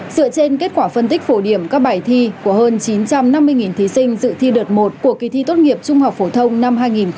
dựa trên kết quả phân tích phổ điểm các bài thi của hơn chín trăm năm mươi thí sinh dự thi đợt một của kỳ thi tốt nghiệp trung học phổ thông năm hai nghìn hai mươi